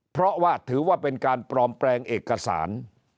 เพราะว่าถือว่าเป็นการปลอมแปลงเอกสาร